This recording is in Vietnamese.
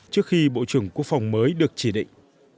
trước khi bộ trưởng quốc phòng mới được chỉ định